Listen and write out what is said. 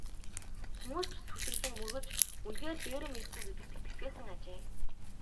Хүмүүс ч сүсэглэн мөргөж үнэхээр дээрэм ирэхгүй гэдэгт итгэцгээсэн ажээ.